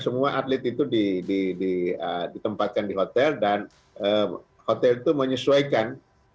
semua atlet itu ditempatkan di hotel dan hotel itu menyesuaikan